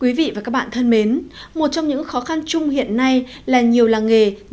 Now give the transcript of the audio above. quý vị và các bạn thân mến một trong những khó khăn chung hiện nay là nhiều làng nghề